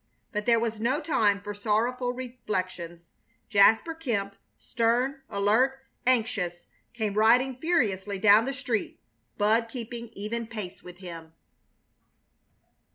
But there was no time for sorrowful reflections. Jasper Kemp, stern, alert, anxious, came riding furiously down the street, Bud keeping even pace with him.